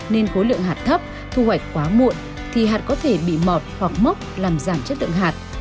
nên khối lượng hạt thấp thu hoạch quá muộn thì hạt có thể bị mọt hoặc mốc làm giảm chất lượng hạt